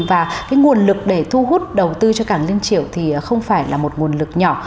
và cái nguồn lực để thu hút đầu tư cho cảng liên triều thì không phải là một nguồn lực nhỏ